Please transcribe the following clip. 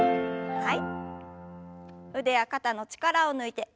はい。